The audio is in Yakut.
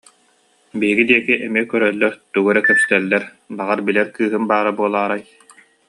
Биһиги диэки эмиэ көрөллөр, тугу эрэ кэпсэтэллэр, баҕар, билэр кыыһым баара буолаарай